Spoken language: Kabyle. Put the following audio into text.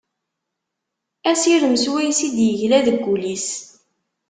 Asirem swayes i d-yegla deg ul-is.